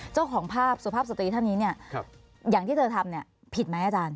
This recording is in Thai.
เจ้าของภาพสุภาพสตรีท่านนี้เนี่ยอย่างที่เธอทำเนี่ยผิดไหมอาจารย์